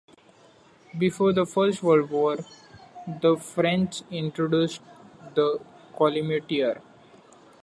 Before the First World War the French introduced the collimateur.